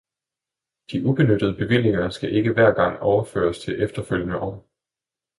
De ubenyttede bevillinger skal ikke hver gang overføres til efterfølgende år.